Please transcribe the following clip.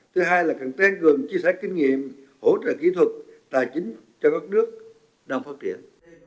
thứ hai là càng tên gần chia sẻ kinh nghiệm hỗ trợ kỹ thuật tài chính cho các nước đang phát triển